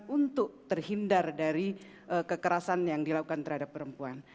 untuk terhindar dari kekerasan yang dilakukan terhadap perempuan